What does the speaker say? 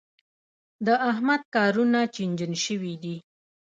د احمد کارونه چينجن شوي دي.